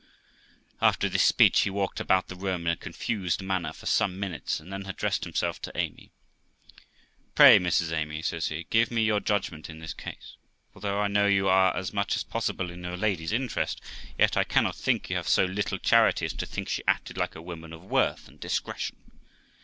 After this speech, he walked about the room in a confused manner for some minutes, and then addressed himself to Amy. 'Pray, Mrs Amy', says he, 'give me your judgment in this case, for, although I know you are as much as possible in your lady's interest, yet I cannot think you have so little charity as to think she acted like a woman of worth and discretion.